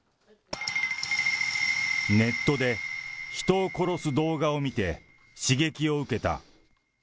ネットで人を殺す動画を見て、刺激を受けた。